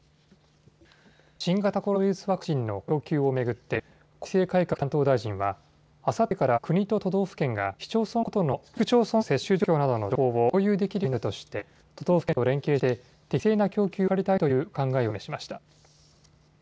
新型コロナウイルスワクチンの供給を巡って、河野規制改革担当大臣は、あさってから、国と都道府県が、市区町村ごとの接種状況などの情報を共有できるようになるとして、都道府県と連携して、適正な供給を図りたいという考えを示しました。